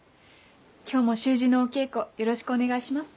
今日も習字のお稽古よろしくお願いします。